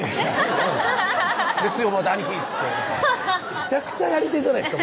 めちゃくちゃやり手じゃないですか